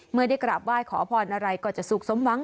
เมื่อได้กราบไหว้ขอพรอะไรก็จะสุขสมหวัง